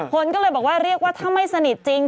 คนก็เลยบอกว่าเรียกว่าถ้าไม่สนิทจริง